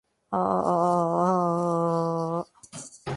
あああああああああああああああああああ